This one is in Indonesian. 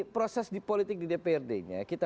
proses di politik di dprd nya kita